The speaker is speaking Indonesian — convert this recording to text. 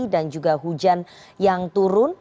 dan juga hujan yang turun